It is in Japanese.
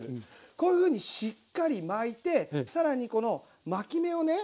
こういうふうにしっかり巻いて更にこの巻き目をね